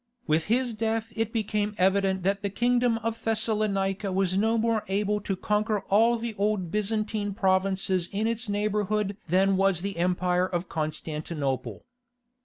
With his death it became evident that the kingdom of Thessalonica was no more able to conquer all the old Byzantine provinces in its neighbourhood than was the empire of Constantinople.